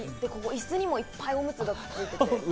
椅子にもいっぱいおむつが。